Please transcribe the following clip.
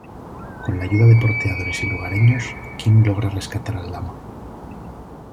Con la ayuda de porteadores y lugareños, "Kim" logra rescatar al lama.